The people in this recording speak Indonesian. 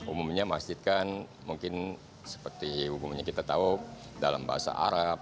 umumnya masjid kan mungkin seperti hukumnya kita tahu dalam bahasa arab